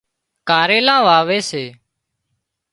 ڪاريلان واوي سي